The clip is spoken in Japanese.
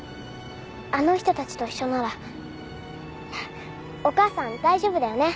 あの人たちと一緒ならお母さん大丈夫だよね。